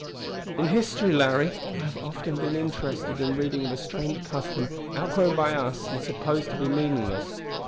"In history, Larry, I have often been interested in reading of a strange custom outgrown by us and supposed to be meaningless.